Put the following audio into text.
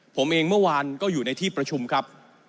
ผมเองเมื่อวานก็อยู่ในที่ประชุมครับ